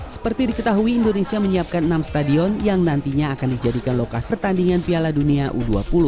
seperti diketahui indonesia menyiapkan enam stadion yang nantinya akan dijadikan lokasi pertandingan piala dunia u dua puluh